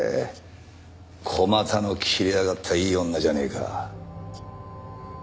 小股の切れ上がったいい女じゃねえか。